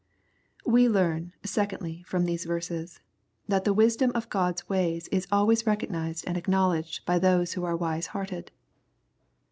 We learn, secondly, from these verses, that the vmdom of God's ways is always recognized and acknowledged by those who are wise hearted.